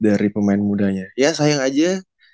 dari pemain mudanya ya sayang aja